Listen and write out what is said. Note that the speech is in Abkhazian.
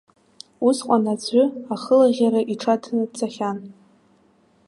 Усҟан аӡәы ахылаӷьара иҽаҭаны дцахьан.